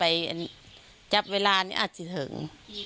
พี่เราไปจับเวลากันอาจจะถึง